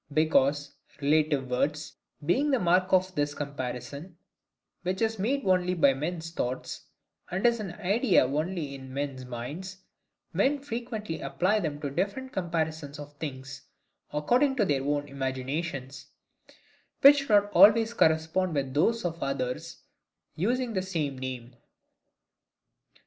Because relative words, being the marks of this comparison, which is made only by men's thoughts, and is an idea only in men's minds, men frequently apply them to different comparisons of things, according to their own imaginations; which do not always correspond with those of others using the same name.